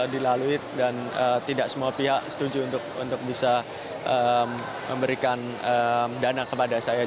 dilalui dan tidak semua pihak setuju untuk bisa memberikan dana kepada saya